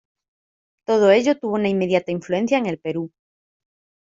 Todo ello tuvo una inmediata influencia en el Perú.